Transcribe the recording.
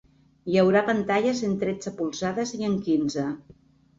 Hi haurà pantalles en tretze polzades i en quinze.